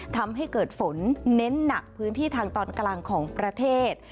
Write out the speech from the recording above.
ทำให้เกิดฝนเน้นหนักพื้นที่ทางตอนกลางของประเทศ